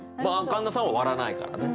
神田さんは割らないからね。